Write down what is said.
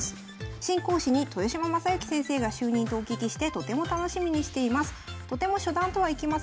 「新講師に豊島将之先生が就任とお聞きしてとても楽しみにしています」。ということです。